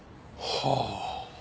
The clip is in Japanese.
はあ。